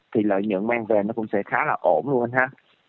thì lợi nhượng mang về nó cũng sẽ khá là ổn luôn anh ha